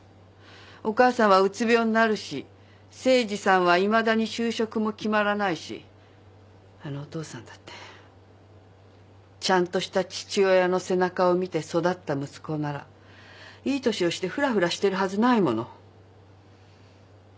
お母さんはうつ病になるし誠治さんはいまだに就職も決まらないしあのお父さんだって。ちゃんとした父親の背中を見て育った息子ならいい年をしてふらふらしてるはずないもの。